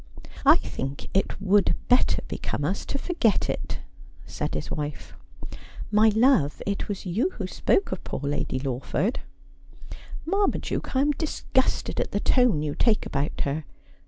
'I think it would better become us to forget it,' said his wife. ' My love, it was you who spoke of poor Lady Lawford.' ' Marmaduke, I am disgusted at the tone you take about her.